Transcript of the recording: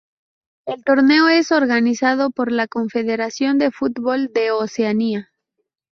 El torneo es organizado por la Confederación de Fútbol de Oceanía.